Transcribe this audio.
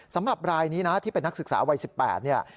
สำหรับรายนี้นะที่เป็นนักศึกษาวัย๑๘เนี่ย